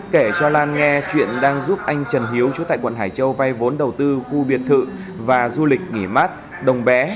kể cho lan nghe chuyện đang giúp anh trần hiếu trú tại quận hải châu vay vốn đầu tư khu biệt thự và du lịch nghỉ mát đồng bé